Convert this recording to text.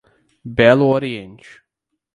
Belo Oriente